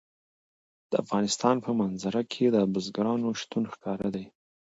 د افغانستان په منظره کې د بزګانو شتون ښکاره دی.